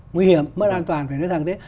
nguy hiểm mất an toàn phải nói thẳng đấy